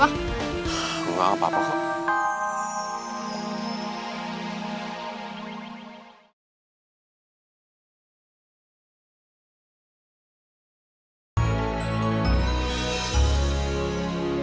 aku gak apa apa kok